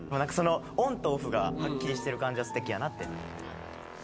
オンとオフがはっきりしてる感じはすてきやなって。